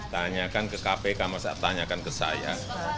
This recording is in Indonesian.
tanyakan ke kpk masa tanyakan ke saya